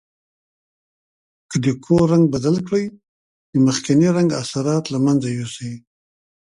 که د کور رنګ بدل کړئ د مخکني رنګ اثرات له منځه یوسئ.